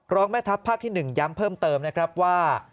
แม่ทัพภาคที่๑ย้ำเพิ่มเติมนะครับว่า